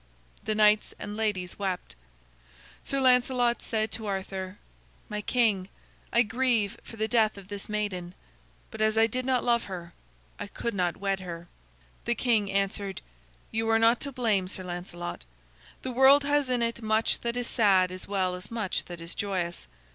The knights and ladies wept. Sir Lancelot said to Arthur: "My king, I grieve for the death of this maiden, but as I did not love her, I could not wed her." The king answered: "You are not to blame, Sir Lancelot. The world has in it much that is sad as well as much that is joyous.